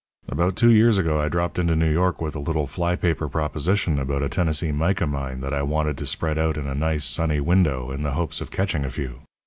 "About two years ago I dropped into New York with a little fly paper proposition about a Tennessee mica mine that I wanted to spread out in a nice, sunny window, in the hopes of catching a few.